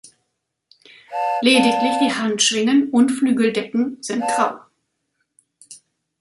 Lediglich die Handschwingen und Flügeldecken sind grau.